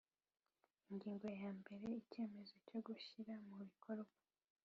Ingingo yambere Icyemezo cyo gushyira mu bikorwa